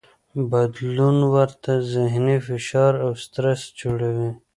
بدلون ورته ذهني فشار او سټرس جوړوي.